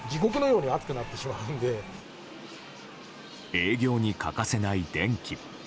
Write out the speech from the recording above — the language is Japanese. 営業に欠かせない電気。